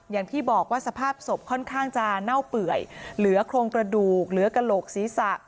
อย่างที่บอกว่าสภาพศพค่อนข้างจะเน่าเปื่อยเหลือโครงกระดูกเหลือกระโหลกศีรษะ